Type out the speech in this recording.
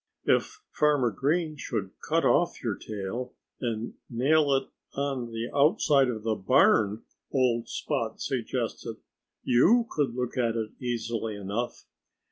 "If Farmer Green should cut off your tail and nail it up on the outside of the barn," old Spot suggested, "you could look at it easily enough.